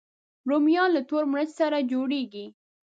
رومیان له تور مرچ سره جوړېږي